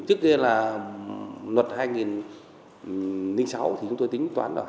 tiếp kia là luật hai nghìn sáu thì chúng tôi tính toán ở hai nghìn ba mươi bốn